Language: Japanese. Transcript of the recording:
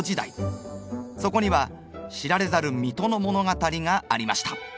そこには知られざる水戸の物語がありました。